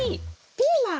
ピーマン。